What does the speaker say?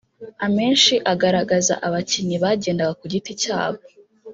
amenshi agaragaza abakinnyi bagendaga ku giti cyabo